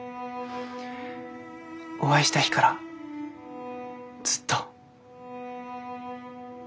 お会いした日からずっと。